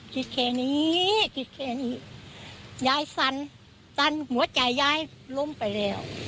คิดแค่นี้คิดแค่นี้ยายสั่นสั่นหัวใจยายล้มไปแล้ว